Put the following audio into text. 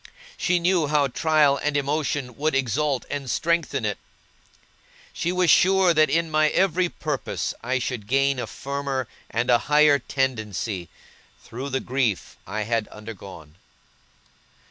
She knew how trial and emotion would exalt and strengthen it. She was sure that in my every purpose I should gain a firmer and a higher tendency, through the grief I had undergone.